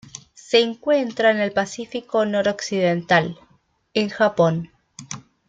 Se encuentra en el Pacífico noroccidental: en Japón.